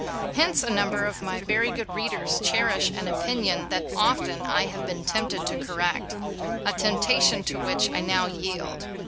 Hence a number of my very good readers cherish an opinion that often I have been tempted to correct, a temptation to which I now yield.